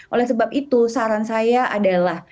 oleh sebab itu saran saya adalah